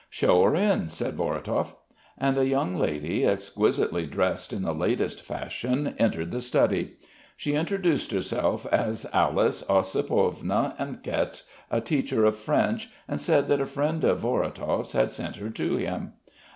"Show her in," said Vorotov. And a young lady, exquisitely dressed in the latest fashion, entered the study. She introduced herself as Alice Ossipovna Enquette, a teacher of French, and said that a friend of Vorotov's had sent her to him.